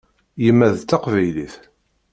Yemma d taqbaylit.